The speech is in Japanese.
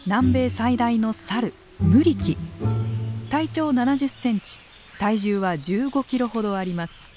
体長７０センチ体重は１５キロほどあります。